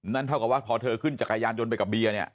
เท่ากับว่าพอเธอขึ้นจักรยานยนต์ไปกับเบียร์เนี่ย